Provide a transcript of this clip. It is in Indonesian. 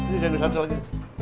ini jangan di satu lagi